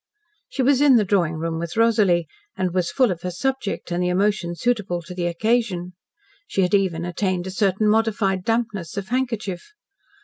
She was in the drawing room with Rosalie, and was full of her subject and the emotion suitable to the occasion. She had even attained a certain modified dampness of handkerchief.